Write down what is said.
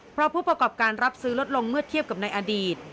เพราะผู้ประกอบการรับซื้อลดลงเมื่อเทียบกับในอดีต